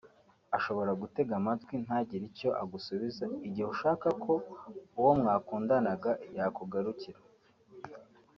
ashobora gutega amatwi ntagire icyo agusubiza; igihe ushaka ko uwo mwakundanaga yakugarukira